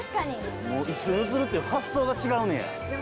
もう一緒に写るっていう発想が違うねや。